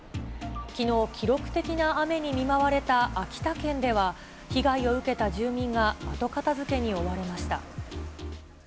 きのう、記録的な雨に見舞われた秋田県では、被害を受けた住民が後片づけに追われました。